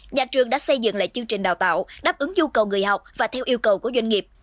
nhà trường đã xây dựng lại chương trình đào tạo đáp ứng nhu cầu người học và theo yêu cầu của doanh nghiệp